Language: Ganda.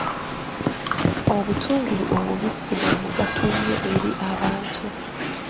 Obutungulu obubisi bwa mugaso nnyo eri abantu.